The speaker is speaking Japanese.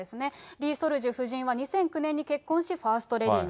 リ・ソルジュ夫人は２００９年に結婚し、ファーストレディーに。